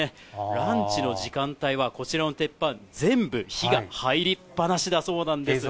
ランチの時間帯は、こちらの鉄板、全部、火が入りっぱなしなんだそうです。